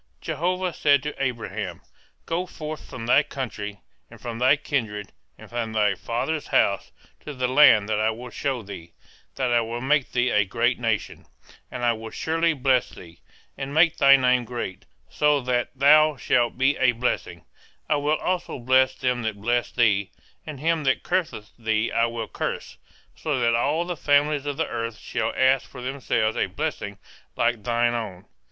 160 175. Jehovah said to Abraham, Go forth from thy country, and from thy kindred, and from thy father's house, to the land that I will show thee, that I may make of thee a great nation; and I will surely bless thee, and make thy name great, so that thou shalt be a blessing, I will also bless them that bless thee, and him that curseth thee will I curse, so that all the families of the earth shall ask for themselves a blessing like thine own.